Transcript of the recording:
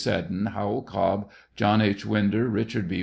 Seddon, Howell Oobb, John H. Winder, Eichard B.